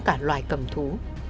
cả loài cầm thú